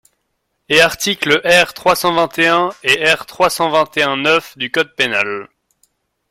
Et articles R. trois cent vingt-et-un un et R. trois cent vingt-et-un neuf du code pénal.